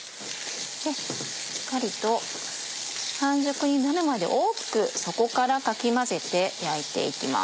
しっかりと半熟になるまで大きく底からかき混ぜて焼いていきます。